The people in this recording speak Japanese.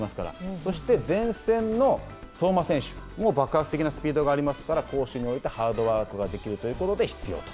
そして前線の相馬選手も爆発的なスピードがありますから攻守においてハードワークができるということで、必要と。